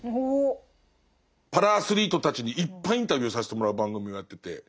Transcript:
パラアスリートたちにいっぱいインタビューさせてもらう番組をやってて。